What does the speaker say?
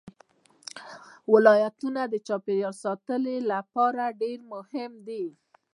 ولایتونه د چاپیریال ساتنې لپاره ډېر مهم دي.